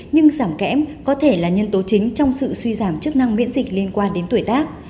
nhưng giảm kẽm có thể là nhân tố chính trong sự suy giảm chức năng miễn dịch liên quan đến tuổi tác